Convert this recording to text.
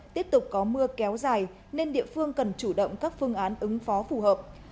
tiếp tục có mưa kéo dài nên địa phương cần chủ động các phương án ứng phó phù hợp